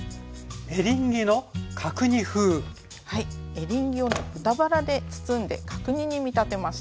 エリンギを豚バラで包んで角煮に見立てました。